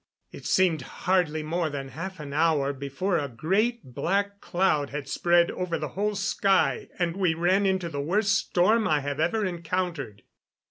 It seemed hardly more than half an hour before a great black cloud had spread over the whole sky, and we ran into the worst storm I have ever encountered.